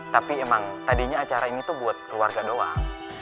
tapi emang tadinya acara ini tuh buat keluarga doang